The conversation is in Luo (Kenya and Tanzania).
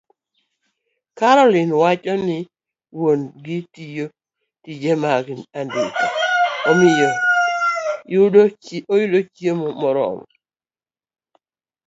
Caroline wacho ni wuon-gi tiyo tije mag andika, omiyo yudo chiemo moromo